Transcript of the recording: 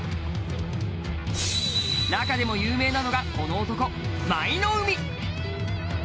中でも有名なのがこの男舞の海。